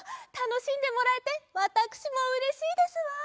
たのしんでもらえてわたくしもうれしいですわ！